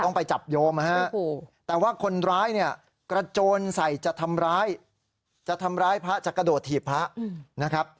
ต้องไปจับโยมนะฮะแต่ว่าคนร้ายเนี่ยกระโจนใส่จะทำร้ายจะทำร้ายพระจะกระโดดถีบพระนะครับ